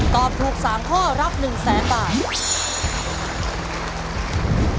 ตอบถูก๓ข้อรับ๑แสนบาท